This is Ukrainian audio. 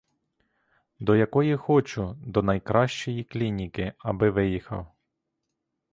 До якої хочу, до найкращої клініки, аби виїхав.